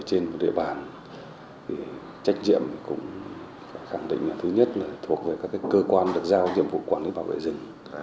lực lượng kiểm lâm địa bàn thì trách nhiệm cũng phải khẳng định là thứ nhất là thuộc về các cơ quan được giao nhiệm vụ quản lý bảo vệ rừng